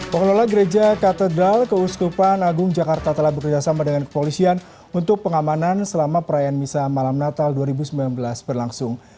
pengelola gereja katedral keuskupan agung jakarta telah bekerjasama dengan kepolisian untuk pengamanan selama perayaan misa malam natal dua ribu sembilan belas berlangsung